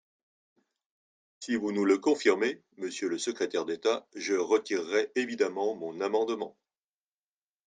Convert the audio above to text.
Si vous nous le confirmez, monsieur le secrétaire d’État, je retirerai évidemment mon amendement.